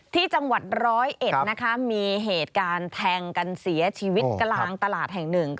ที่จังหวัดร้อยเอ็ดนะคะมีเหตุการณ์แทงกันเสียชีวิตกลางตลาดแห่งหนึ่ง